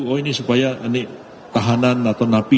oh ini supaya ini tahanan atau napi